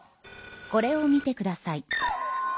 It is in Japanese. これを見てください。